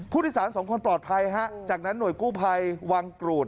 ผู้ที่สาร๒คนปลอดภัยจากนั้นหน่วยกู้ภัยวางกรูด